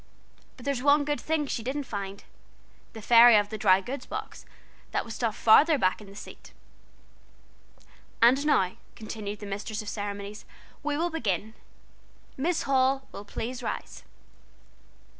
But there's one good thing she didn't find 'The Fairy of the Dry Goods Box,' that was stuffed farther back in the seat. "And now," continued the mistress of ceremonies, "we will begin. Miss Hall will please rise."